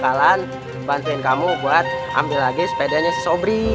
bakalan bantuin kamu buat ambil lagi sepedanya si sopri